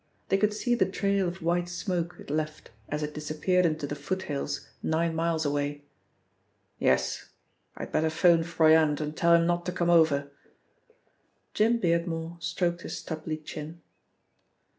They could see the trail of white smoke it left as it disappeared into the foothills nine miles away. "Yes. I'd better 'phone Froyant, and tell him not to come over." Jim Beardmore stroked his stubbly chin.